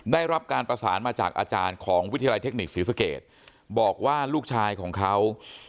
ได้รับการประสานมาจากอาจารย์ของวิทยาลัยเทคนิคศรีสเกตบอกว่าลูกชายของเขา